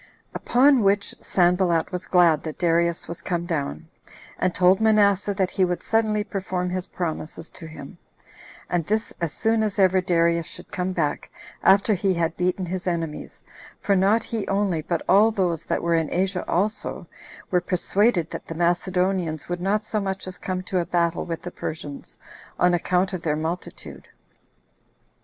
Upon which Sanballat was glad that Darius was come down; and told Manasseh that he would suddenly perform his promises to him, and this as soon as ever Darius should come back, after he had beaten his enemies; for not he only, but all those that were in Asia also, were persuaded that the Macedonians would not so much as come to a battle with the Persians, on account of their multitude.